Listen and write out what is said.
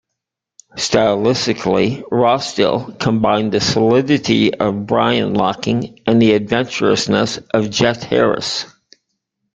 Stylistically, Rostill combined the solidity of Brian Locking and the adventurousness of Jet Harris.